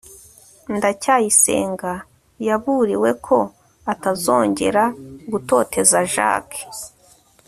ndacyayisenga yaburiwe ko atazongera gutoteza jaki